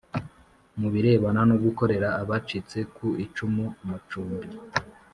mu birebana no gukorera abacitse ku icumu amacumbi